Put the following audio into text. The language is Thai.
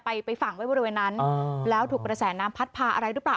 ไปไปฝั่งไว้บริเวณนั้นแล้วถูกกระแสน้ำพัดพาอะไรหรือเปล่า